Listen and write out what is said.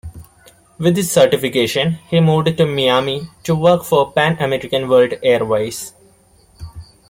With his certification, he moved to Miami to work for Pan American World Airways.